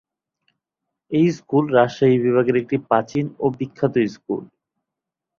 এই স্কুল রাজশাহী বিভাগের একটি প্রাচীন ও বিখ্যাত স্কুল।